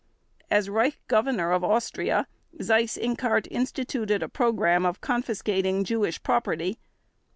As Reich Governor of Austria, Seyss Inquart instituted a program of confiscating Jewish property.